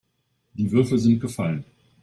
Die Würfel sind gefallen.